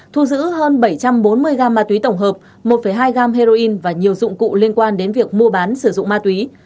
thu giữ hơn bảy trăm bốn mươi g ma túy tổng hợp một hai gam heroin và nhiều dụng cụ liên quan đến việc mua bán sử dụng ma túy